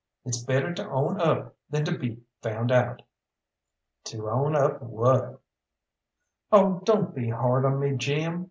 It's better to own up than to be found out." "To own up what?" "Oh, don't be hard on me, Jim!